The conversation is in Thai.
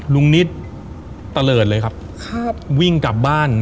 ลุงนิดตะเลิดเลยครับ